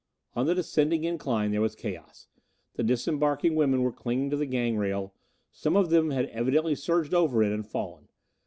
On the descending incline there was chaos. The disembarking women were clinging to the gang rail; some of them had evidently surged over it and fallen.